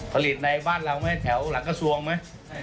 ผลิตในบ้านเรามั้ยแถวหลังกระทรวงมั้ย